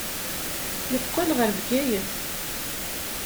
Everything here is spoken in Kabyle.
Yeqqel ɣer Bgayet.